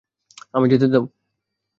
আমায় যেতে দাও!